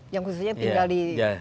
yang khususnya tinggal di